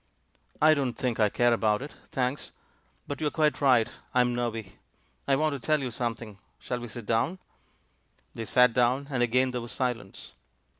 "I don't think I care about it, thanks; but you're quite right — I'm nervy. I want to tell you something. ShaU we sit down?" They sat down, and again there was silence.